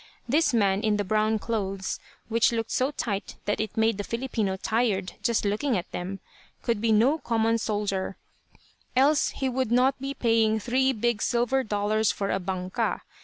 This man in the brown clothes, which looked so tight that it made the Filipino tired just to look at them, could be no common soldier, else he would not be paying three big silver dollars for a "banca."